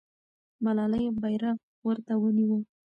ملالۍ بیرغ ورته نیوه.